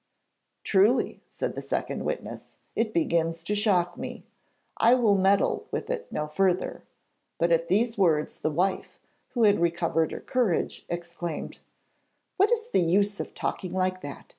'Truly,' said the second witness; 'it begins to shock me. I will meddle with it no further.' But at these words the wife, who had recovered her courage, exclaimed: 'What is the use of talking like that?